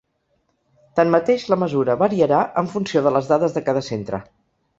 Tanmateix, la mesura variarà en funció de les dades de cada centre.